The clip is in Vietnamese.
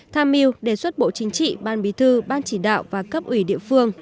tham mưu đề xuất bộ chính trị ban bí thư ban chỉ đạo và cấp ủy địa phương